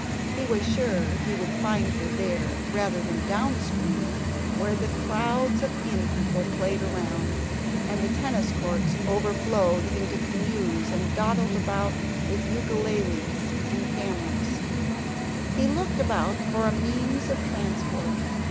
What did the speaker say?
He was sure he would find her there rather than down stream where the crowds of inn people played around, and the tennis courts overflowed into canoes and dawdled about with ukeleles and cameras. He looked about for a means of transport.